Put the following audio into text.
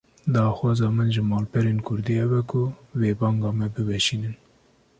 Daxwaza min ji malperên Kurdî ew e ku vê banga me biweşînin